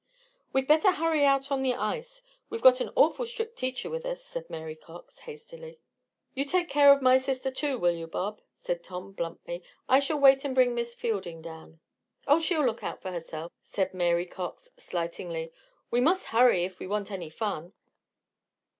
"We'd better hurry out on the ice. We've got an awful strict teacher with us," said Mary Cox, hastily. "You take care of my sister, too; will you, Bob?" said Tom, bluntly. "I shall wait and bring Miss Fielding down." "Oh, she'll look out for herself," said Mary Cox, slightingly. "We must hurry if we want any fun."